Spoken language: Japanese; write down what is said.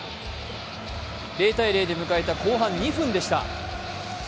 ０−０で迎えた後半２分でした。